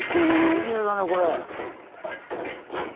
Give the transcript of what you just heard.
きれいだねこれ。